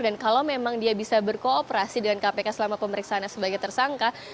dan kalau memang dia bisa berkooperasi dengan kpk selama pemeriksaannya sebagai tersangka